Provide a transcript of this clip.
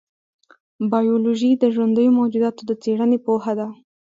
بایولوژي د ژوندیو موجوداتو د څېړنې پوهه ده.